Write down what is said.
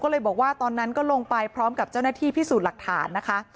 ก็เลยบอกว่าตอนนั้นก็ลงไปพร้อมกับเจ้าหน้าที่พิสูจน์หลักฐานนะคะ